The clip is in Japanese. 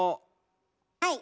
はい。